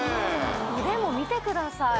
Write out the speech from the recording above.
腕も見てください